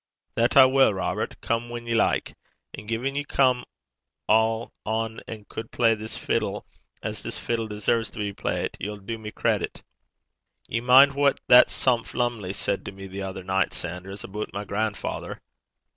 'That I wull, Robert, come whan ye like. An' gin ye come o' ane 'at cud play this fiddle as this fiddle deserves to be playt, ye'll do me credit.' 'Ye min' what that sumph Lumley said to me the ither nicht, Sanders, aboot my grandfather?'